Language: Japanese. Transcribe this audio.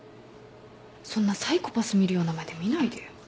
そんなサイコパス見るような目で見ないでよ。